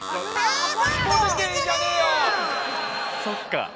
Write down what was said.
そっか！